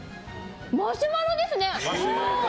マシュマロですね。